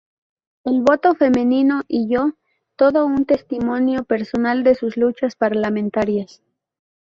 El voto femenino y yo", todo un testimonio personal de sus luchas parlamentarias.